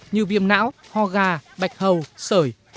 như viêm não ho gà bạch hầu sởi